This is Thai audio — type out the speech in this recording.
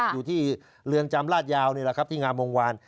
อยู่ที่เรือนจำลาดยาวนี่แหละครับที่งามวงวาน